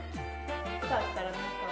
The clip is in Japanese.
よかったら中に。